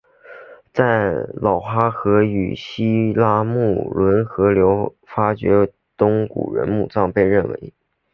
在老哈河与西拉木伦河流域发掘的东胡人墓葬被认为是对上述说法的旁证。